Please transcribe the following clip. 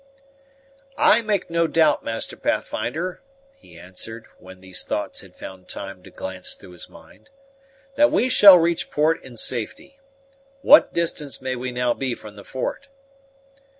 "I make no doubt, Master Pathfinder," he answered, when these thoughts had found time to glance through his mind, "that we shall reach port in safety. What distance may we now be from the fort?"